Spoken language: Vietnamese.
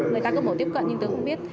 người ta có bảo tiếp cận nhưng tớ không biết